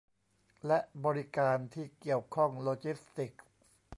และบริการที่เกี่ยวข้องโลจิสติกส์